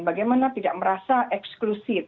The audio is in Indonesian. bagaimana tidak merasa eksklusif